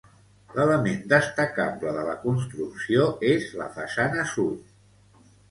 L'element destacable de la construcció és la façana sud.